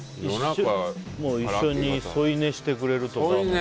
一緒に添い寝してくれるとか。